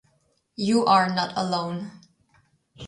You are not alone.